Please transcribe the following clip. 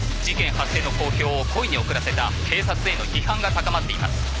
事件発生の公表を故意に遅らせた警察への批判が高まっています。